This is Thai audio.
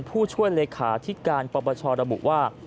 ผู้ช่วยเลขาที่การปปชระบุว่า